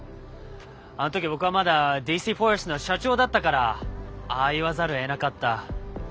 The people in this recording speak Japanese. あの時僕はまだＤＣフォレストの社長だったからああ言わざるをえなかった。